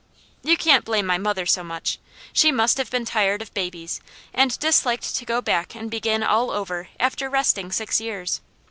You can't blame my mother so much. She must have been tired of babies and disliked to go back and begin all over after resting six years.